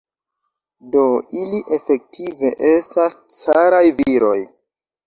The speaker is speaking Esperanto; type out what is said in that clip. Do ili efektive estas caraj viroj.